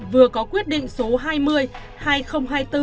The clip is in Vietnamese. vừa có quyết định số hai mươi hai nghìn hai mươi bốn